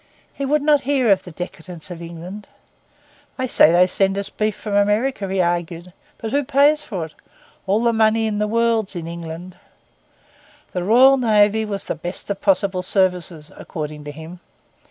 He would not hear of the decadence of England. 'They say they send us beef from America,' he argued; 'but who pays for it? All the money in the world's in England.' The Royal Navy was the best of possible services, according to him.